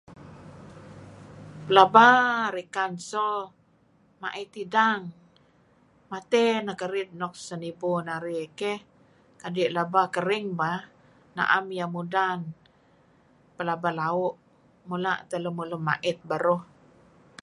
Pelaba rikan so, ma'it idang, matey neh kerid nuk senibu narih keh kadi' laba kering bah, na'em iyeh mudan, pelaba lau', mula' teh lemulun ma'it beruh.